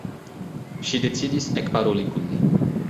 Ŝi decidis ekparoli kun li.